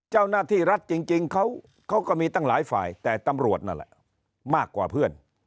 เจ้าหน้าที่รัฐจริงเขาก็มีตั้งหลายฝ่ายแต่ตำรวจนั่นแหละมากกว่าเพื่อน